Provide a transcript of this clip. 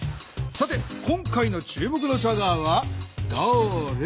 さて今回の注目のチャガーはだれ？